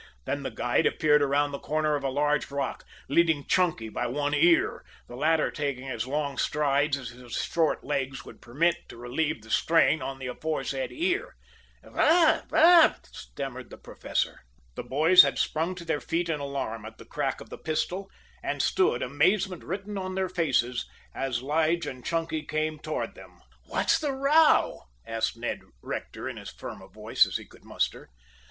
Then the guide appeared around the corner of a large rock, leading Chunky by one ear, the latter taking as long strides as his short legs would permit, to relieve the strain on the aforesaid ear. "Wha what " stammered the Professor. The boys had sprung to their feet in alarm at the crack of the pistol, and stood, amazement written on their faces, as Lige and Chunky came toward them. "What's the row?" asked Ned Rector in as firm a voice as he could muster.